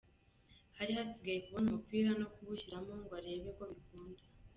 Hari hasigaye kubona umupira no kuwushyiramo ngo arebe ko bikunda.